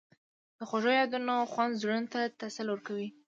د خوږو یادونو خوند زړونو ته تسل ورکوي.